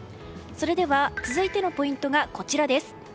それでは続いてのポイントです。